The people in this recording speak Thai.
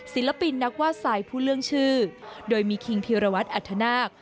ศิลปินนักวาดทรายผู้เรื่องชื่อโดยมีคิงพีรวัตรอัธนาค